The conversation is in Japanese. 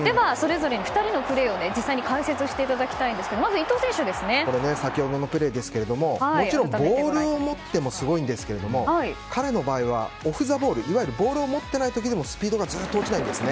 ２人のプレーを実際に解説していただきたいんですが先ほどのプレーですがもちろんボールを持ってもすごいんですけれども彼の場合はオフザボールいわゆるボールを持っていない時にもスピードが落ちないんです。